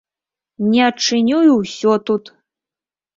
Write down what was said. Не адчыню, і ўсё тут!